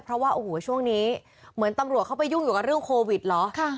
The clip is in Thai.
เพราะว่าโอ้โหช่วงนี้เหมือนตำรวจเข้าไปยุ่งอยู่กับเรื่องโควิดเหรอ